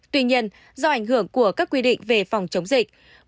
tuy nhiên do ảnh hưởng của các quy định về phòng chống dịch